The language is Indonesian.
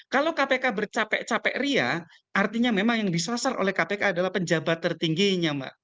kalau kpk bercapek capek ria artinya memang yang disasar oleh kpk adalah penjabat tertingginya mbak